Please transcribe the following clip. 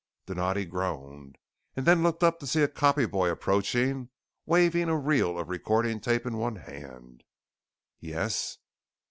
Donatti groaned, and then looked up to see a copy boy approaching, waving a reel of recording tape in one hand. "Yes